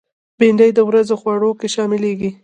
بېنډۍ د ورځې خوړو کې شاملېږي